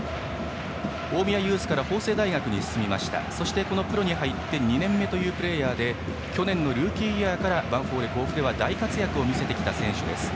大宮ユースから法政大学に進みそして、このプロに入って２年目というプレーヤーで去年のルーキーイヤーからヴァンフォーレ甲府では大活躍を見せてきた選手。